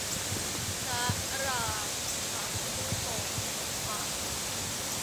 พระราธะ ผู้ทรงปฎิภาณ